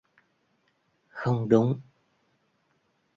Không đúng